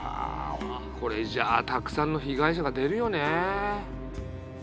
これじゃあたくさんの被害者が出るよね。